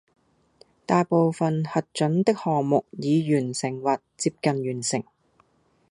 大部分核准的項目已完成或接近完成